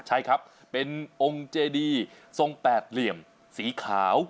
ใช่ครับเป็นองค์เจดีทรงแปดเหลี่ยมสีขาว